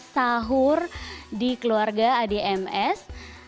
sahur di keluarga adi ms